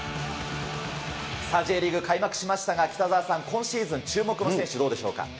さあ、Ｊリーグ開幕しましたが、北澤さん、今シーズン、注目の選手はどうでしょうか。